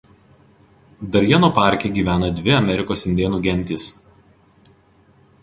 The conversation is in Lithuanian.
Darjeno parke gyvena dvi Amerikos indėnų gentys.